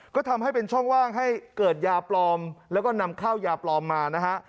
ก็ทำให้เป็นช่องว่างให้เกิดยาปลอมแล้วก็นำเข้ายาปลอมมานะฮะ